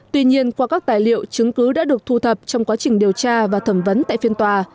tuy nhiên qua các tài liệu chứng cứ đã được thu thập trong quá trình điều tra và thẩm vấn tại phiên tòa